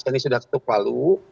yang ini sudah ketuk lalu